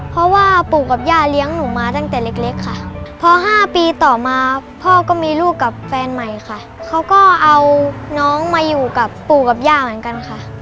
เพราะว่าปู่กับย่าเลี้ยงหนูมาตั้งแต่เล็กค่ะพอ๕ปีต่อมาพ่อก็มีลูกกับแฟนใหม่ค่ะเขาก็เอาน้องมาอยู่กับปู่กับย่าเหมือนกันค่ะ